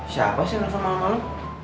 siapa sih yang nelfon malem malem